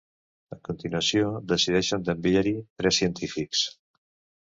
A continuació decideixen d'enviar-hi tres científics.